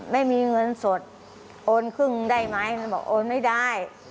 ไม่มีเงินสดโอนครึ่งได้ไหมท่านบอกโอนไม่ได้